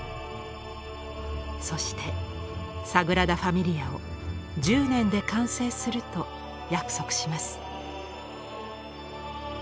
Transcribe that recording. そしてサグラダ・ファミリアを１０年で完成すると約束します。